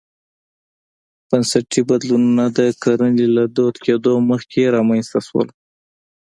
بنسټي بدلونونه د کرنې له دود کېدو مخکې رامنځته شول.